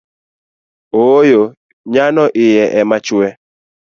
Ooyo nyano iye ema chue